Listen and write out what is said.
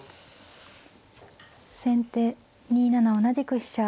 先手２七同じく飛車。